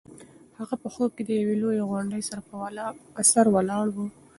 هغه په خوب کې د یوې لویې غونډۍ په سر ولاړه وه.